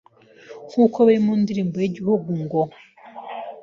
nkuko biri mu ndirimbo y’Igihugu ngo